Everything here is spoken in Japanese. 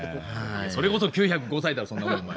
それこそ９０５歳だそんなもんお前。